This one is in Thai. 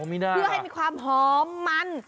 เพื่อให้มีความหอมมัน